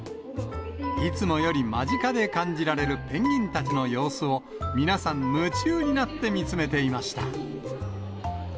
いつもより間近で感じられるペンギンたちの様子を、皆さん、夢中になって見つめていました。